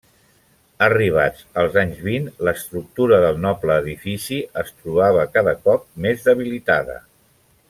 Arribats als anys vint, l’estructura del noble edifici es trobava cada cop més debilitada.